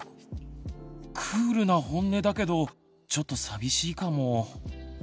クールなホンネだけどちょっと寂しいかも。